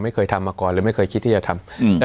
ไม่เคยทำมาก่อนหรือไม่เคยคิดที่จะทำ